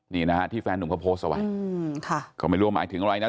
นี่นะฮะที่แฟนหนุ่มเขาโพสต์เอาไว้ก็ไม่รู้ว่าหมายถึงอะไรนะ